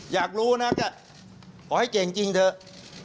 อยากรู้นะจะขอให้เก่งจริงเถอะ